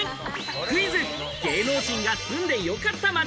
クイズ、芸能人が住んでよかった街。